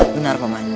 benar pak man